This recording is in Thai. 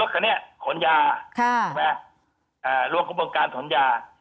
หลักฐานเนี้ยขนยาค่ะใช่ไหมอ่าร่วมกระบวนการขนยา